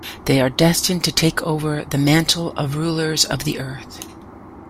They are destined to take over the mantle of rulers of the Earth.